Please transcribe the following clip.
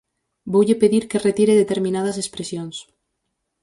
Voulle pedir que retire determinadas expresións.